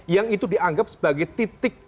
yang itu dianggap sebagai titik